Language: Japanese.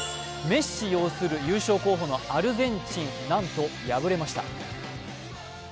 メッシ擁する優勝候補のアルゼンチン、なんと敗れました。